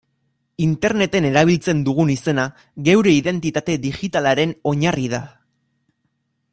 Interneten erabiltzen dugun izena geure identitate digitalaren oinarri da.